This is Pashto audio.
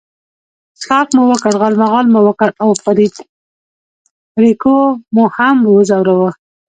څښاک مو وکړ، غالمغال مو وکړ او فرېډریکو مو هم وځوراوه.